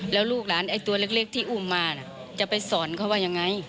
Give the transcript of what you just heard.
แล้วลูกหลานไอ้ตัวเล็กที่อุ้มมาจะไปสอนเขาว่ายังไง